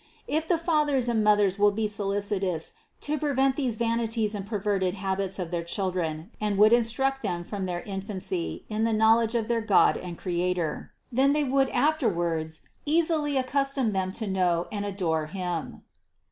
If the fathers and mothers would be solicitous to prevent these vanities and perverted habits of their children and would instruct them from their in fancy in the knowledge of their God and Creator, then they would afterwards easily accustom them to know THE CONCEPTION 195 and adore Him.